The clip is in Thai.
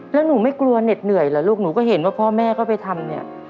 แล้วหนูไม่กลัวเหน็ดเหนื่อยเหรอลูกหนูก็เห็นว่าพ่อแม่ก็ไปทำเนี่ย